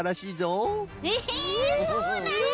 へえそうなんだ！